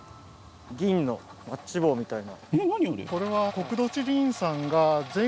銀のマッチ棒みたいな。